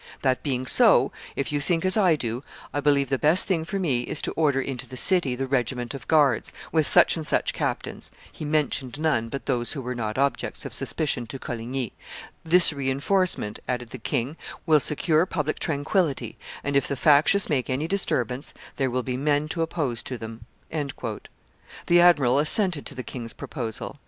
That being so, if you think as I do, I believe the best thing for me is to order into the city the regiment of guards, with such and such captains (he mentioned none but those who were not objects of suspicion to Coligny); this re enforcement," added the king, "will secure public tranquillity, and, if the factious make any disturbance, there will be men to oppose to them." The admiral assented to the king's proposal.